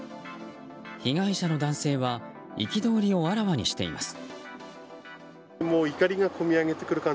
被害者の男性は憤りをあらわにしています。